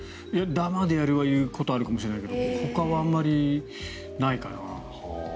ダマでやるは言うことあるかもしれないけどほかはあまりないかな。